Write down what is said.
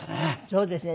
そうですね。